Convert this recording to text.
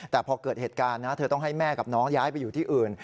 แต่พอเกิดเหตุการณ์นะเธอต้องให้แม่กับน้องย้ายไปอยู่ที่อื่น